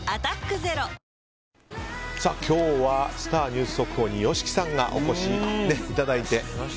ニュース速報にＹＯＳＨＩＫＩさんにお越しいただいて。